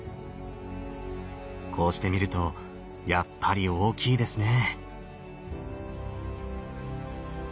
こうして見るとやっぱり大きいですね。